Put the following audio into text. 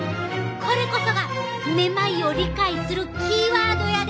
これこそがめまいを理解するキーワードやで！